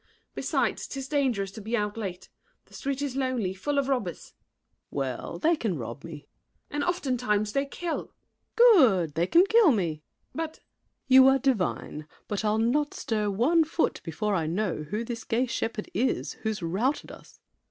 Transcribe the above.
Besides, 'tis dangerous to be out late: The street is lonely, full of robbers. SAVERNY. Well, They can rob me. MARION. And oftentimes they kill! SAVERNY. Good! they can kill me. MARION. But— SAVERNY. You are divine! But I'll not stir one foot before I know Who this gay shepherd is, who's routed us!